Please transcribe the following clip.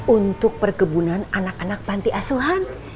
untuk perkebunan anak anak panti asuhan